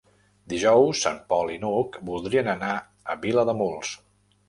Dijous en Pol i n'Hug voldrien anar a Vilademuls.